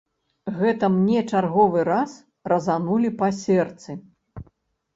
Гэта мне чарговы раз разанулі па сэрцы.